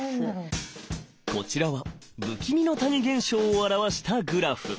こちらは不気味の谷現象を表したグラフ。